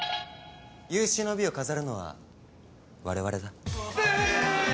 有終の美を飾るのはわれわれだ。